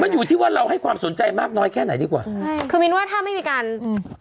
อยู่ที่ว่าเราให้ความสนใจมากน้อยแค่ไหนดีกว่าใช่คือมินว่าถ้าไม่มีการอืม